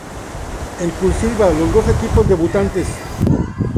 En "cursiva", los equipos debutantes.